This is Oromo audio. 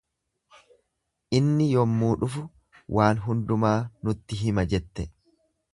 Inni yommuu dhufu waan hundumaa nutti hima jette.